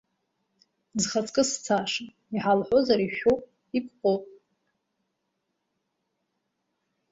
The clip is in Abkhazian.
Зхаҵкы сцаша иҳалҳәозар ишәоуп, иԥҟоуп!